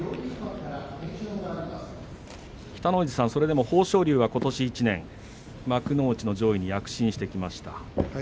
北の富士さん、それでも豊昇龍はことし１年幕内の上位に躍進してきました。